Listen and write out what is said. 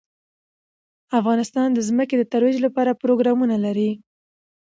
افغانستان د ځمکه د ترویج لپاره پروګرامونه لري.